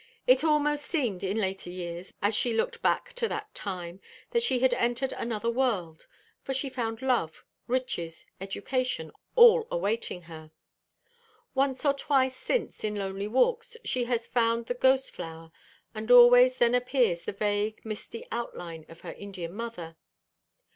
It almost seemed in later years, as she looked back to that time, that she had entered another world; for she found love, riches, education, all awaiting her. Once or twice since, in lonely walks, she has found the Ghost flower; and always then appears the vague, misty outline of her Indian mother.